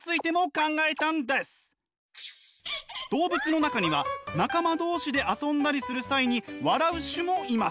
動物の中には仲間同士で遊んだりする際に笑う種もいます。